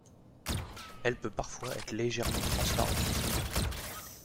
Elle peut parfois être légèrement transparente.